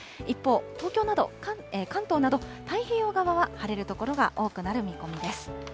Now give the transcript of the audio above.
一方、東京など、関東など、太平洋側は晴れる所が多くなる見込みです。